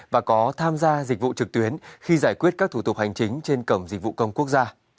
và có tham gia dịch vụ trực tuyến khi giải quyết các thủ tục hành chính trên cổng dịch vụ công quốc gia